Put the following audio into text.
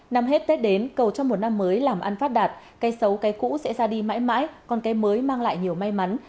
năm hết tết đến cầu cho một năm mới làm ăn phát đạt cây sấu cây cũ sẽ ra đi mãi mãi còn cây mới mang lại nhiều may mắn